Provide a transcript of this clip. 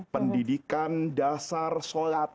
pendidikan dasar sholat